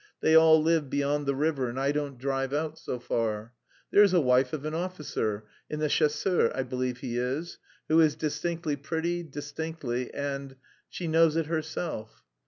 They all live beyond the river and I don't drive out so far. There's a wife of an officer... in the chasseurs I believe he is... who is distinctly pretty, distinctly, and... she knows it herself.